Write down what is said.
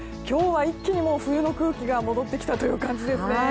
今日は一気に冬の空気が戻ってきた感じですね。